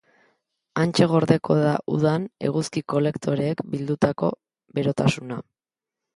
Hantxe gordeko da udan eguzki-kolektoreek bildutako berotasuna.